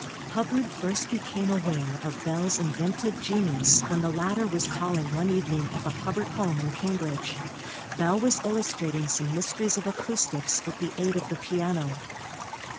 Hubbard first became aware of Bell's inventive genius when the latter was calling one evening at the Hubbard home in Cambridge. Bell was illustrating some mysteries of acoustics with the aid of the piano.